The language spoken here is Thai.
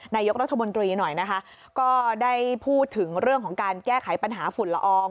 นายกรัฐมนตรีหน่อยนะคะก็ได้พูดถึงเรื่องของการแก้ไขปัญหาฝุ่นละออง